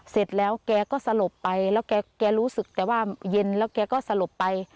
เสร็จแล้วแกก็สลบไปแล้วแกรู้สึกแต่ว่าเย็นแล้วแกก็สลบไป